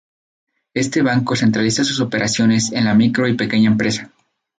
Este banco centraliza sus operaciones en la micro y pequeña empresa.